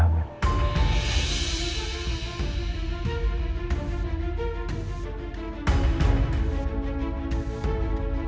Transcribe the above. sienna mau ke rumah sakit